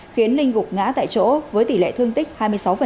khiến ninh gục ngã tại chỗ với tỷ lệ thương tích hai mươi sáu